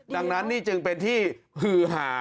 ดังนั้นนี่จึงเป็นที่ฮือหา